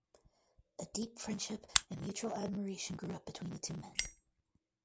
A deep friendship and mutual admiration grew up between the two men.